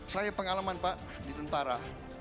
saya pengalaman pak di tentara